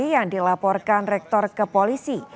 yang dilaporkan rektor kepolisi